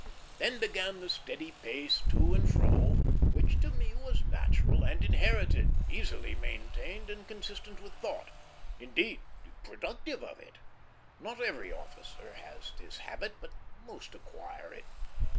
Then began the steady pace to and fro, which to me was natural and inherited, easily maintained and consistent with thought indeed, productive of it. Not every officer has this habit, but most acquire it.